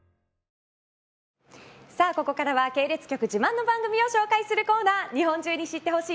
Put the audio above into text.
ここからは系列局自慢の番組を紹介するコーナー日本中に知って欲しい！